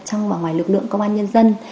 trong và ngoài lực lượng công an nhân dân